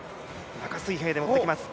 中水平でやっていきます。